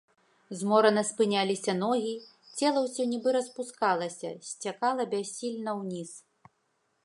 Зморана спыняліся ногі, цела ўсё нібы распускалася, сцякала бяссільна ўніз.